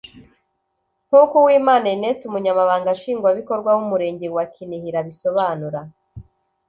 nk’uko Uwimana Ernest umunyamabanga nshingwabikorwa w’umurenge wa Kinihira abisomanura